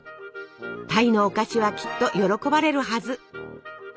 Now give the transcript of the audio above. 鯛のお菓子はきっと喜ばれるはず。